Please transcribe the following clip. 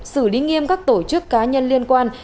xử lý nghiêm các tổ chức cá nhân liên quan